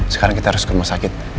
sekarang kita harus ke rumah sakit